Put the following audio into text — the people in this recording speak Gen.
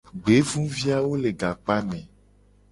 Gbevuviawo le gakpame.